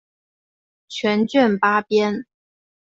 全卷八编。